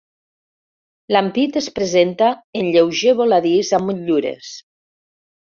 L'ampit es presenta en lleuger voladís amb motllures.